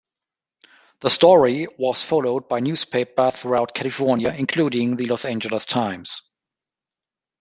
The story was followed by newspapers throughout California, including the "Los Angeles Times".